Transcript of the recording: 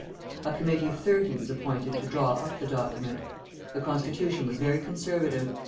A Committee of Thirty was appointed to draw up the document. The constitution was very conservative.